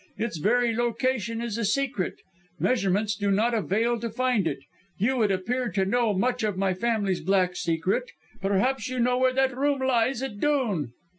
It's very location is a secret. Measurements do not avail to find it. You would appear to know much of my family's black secret; perhaps you know where that room lies at Dhoon?"